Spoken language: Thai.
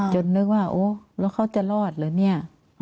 นึกว่าโอ้แล้วเขาจะรอดเหรอเนี่ย